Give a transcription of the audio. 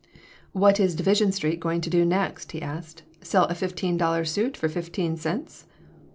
"What is Division Street going to do next?" he asked. "Sell a fifteen dollar suit for fifteen cents?"